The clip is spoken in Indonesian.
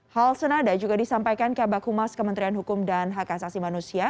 hal senada juga disampaikan kabak humas kementerian hukum dan hak asasi manusia